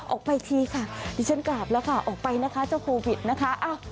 ออกไปทีค่ะดิฉันกราบแล้วค่ะออกไปนะคะเจ้าโควิดนะคะ